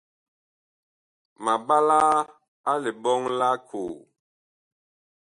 Ma mɓalaa a liɓɔŋ lʼ akoo.